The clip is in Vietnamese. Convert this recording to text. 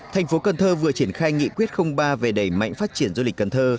thành phố cần thơ vừa triển khai nghị quyết ba về đẩy mạnh phát triển du lịch cần thơ